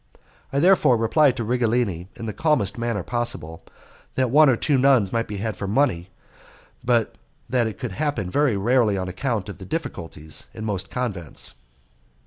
I therefore replied to Righelini in the calmest manner possible, that one or two nuns might be had for money, but that it could happen very rarely on account of the difficulties in most convents.